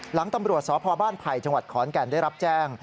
หลังตำรวจสพบ้านไผ่จังหวัดขอนแก่นได้รับแจ้ง